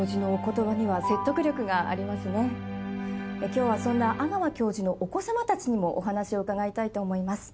今日はそんな阿川教授のお子様たちにもお話を伺いたいと思います。